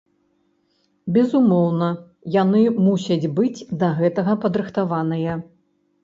Безумоўна, яны мусяць быць да гэтага падрыхтаваныя.